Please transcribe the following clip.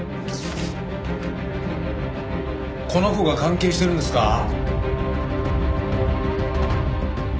この子が関係してるんですか？